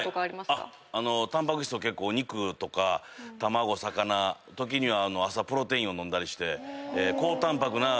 タンパク質は結構お肉とか卵魚時には朝プロテインを飲んだりして。